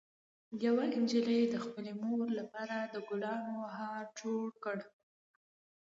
یوه نجلۍ د خپلې مور لپاره د ګلانو هار جوړ کړ.